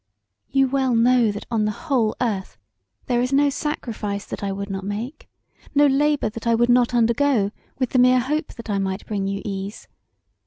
You well know that on the whole earth there is no sacrifise that I would not make, no labour that I would not undergo with the mere hope that I might bring you ease.